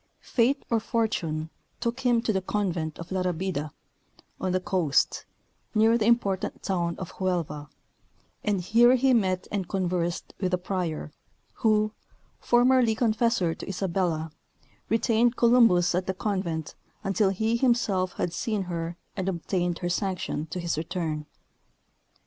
Fate or fortune took him to the convent of La Rabida, on the coast, near the important town of Huelva, and here he met and conversed with the prior, who, formerly confessor to Isabella, retained Columbus at the convent until he himself had seen her and obtained her sanction to his return.